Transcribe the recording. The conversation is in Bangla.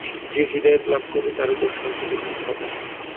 যে হিদায়াত লাভ করবে তার উপর শান্তি বর্ষিত হবে।